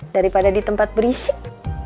daripada di tempat berisik